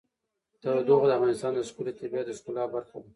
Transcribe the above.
تودوخه د افغانستان د ښکلي طبیعت د ښکلا برخه ده.